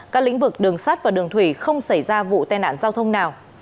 các lĩnh vực đường sắt và đường thủy không xảy ra vụ tai nạn giao thông nào